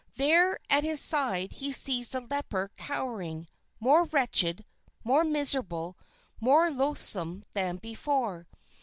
There at his side he sees the leper cowering, more wretched, more miserable, more loathsome than before.